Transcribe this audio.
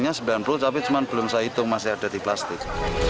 berapa bilangnya sembilan puluh tapi cuman belum saya itu masih ada di plastik